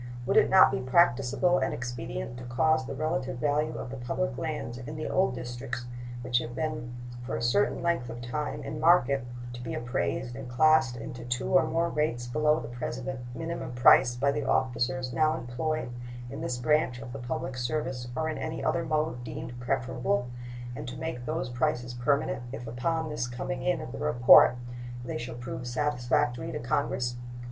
Would it not be practicable and expedient to cause the relative value of the public lands in the old districts which have been for a certain length of time in market to be appraised and classed into two or more rates below the present minimum price by the officers now employed in this branch of the public service or in any other mode deemed preferable, and to make those prices permanent if upon the coming in of the report they shall prove satisfactory to Congress?